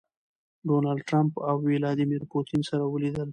ډونالډ ټرمپ او ويلاديمير پوتين سره وليدل.